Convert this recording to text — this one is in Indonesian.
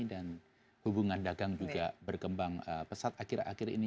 dan hubungan dagang juga berkembang pesat akhir akhir ini